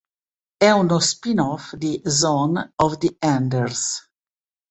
È uno spin-off di "Zone of the Enders".